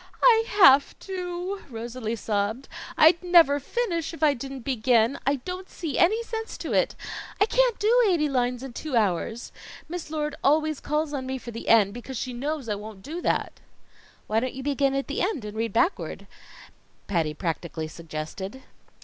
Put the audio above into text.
"I have to," Rosalie sobbed. "I'd never finish if I didn't begin. I don't see any sense to it. I can't do eighty lines in two hours. Miss Lord always calls on me for the end, because she knows I won't know that." "Why don't you begin at the end and read backwards?" Patty practically suggested.